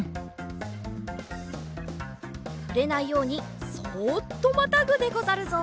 ふれないようにそっとまたぐでござるぞ。